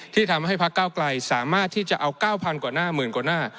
ที่ทำให้พักเก้าไกลสามารถที่จะเอา๙๐๐กว่าหน้าหมื่นกว่าหน้า